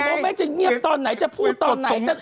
ว่าแม่จะเงียบตอนไหนจะพูดตอนไหน